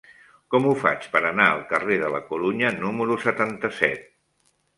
Com ho faig per anar al carrer de la Corunya número setanta-set?